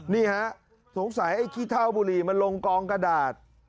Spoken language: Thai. นี่ฮะสงสัยไอ้ขี้เท่าบุหรี่มันลงกองกระดาษ